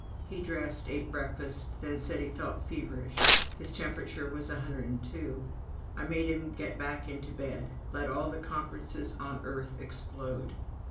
He dressed, ate breakfast, then said he felt feverish. His temperature was 102. I made him get back into bed let all the conferences on earth explode.